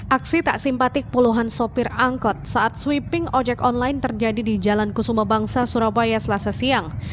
aksi tak simpatik puluhan sopir angkot saat sweeping ojek online terjadi di jalan kusuma bangsa surabaya selasa siang